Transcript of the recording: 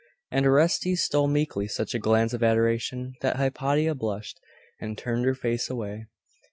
And Orestes stole meekly such a glance of adoration, that Hypatia blushed, and turned her face away....